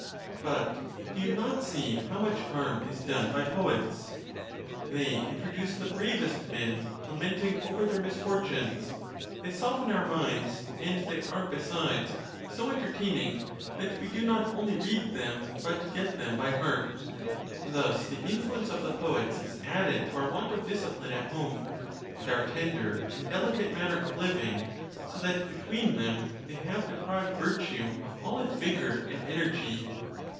But do you not see how much harm is done by poets? They introduce the bravest men lamenting over their mis fortunes: they soften our minds; and they are, besides, so entertaining, that we do not only read them, but get them by heart. Thus the influence of the poets is added to our want of discipline at home, and our tender and delicate manner of living, so that between them they have deprived virtue of all its vigor and energy.